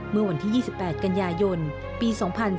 เมื่อวันที่๒๘กันยายนปี๒๔